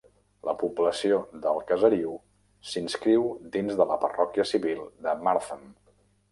La població del caseriu s"inscriu dins de la parròquia civil de Martham.